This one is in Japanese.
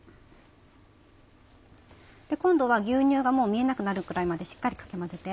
今度は牛乳がもう見えなくなるくらいまでしっかりかき混ぜて。